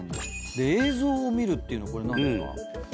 で映像を見るっていうのこれ何ですか？